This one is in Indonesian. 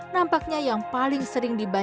nampaknya yang paling sering dibantu